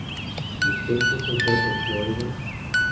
"You think it will go to a jury, then?"